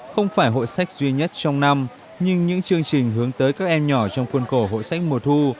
không phải hội sách duy nhất trong năm nhưng những chương trình hướng tới các em nhỏ trong khuôn khổ hội sách mùa thu